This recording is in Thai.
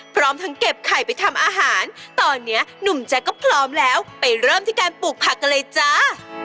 พร้อมทั้งเก็บไข่ไปทำอาหารตอนนี้หนุ่มแจ๊กก็พร้อมแล้วไปเริ่มที่การปลูกผักกันเลยจ้า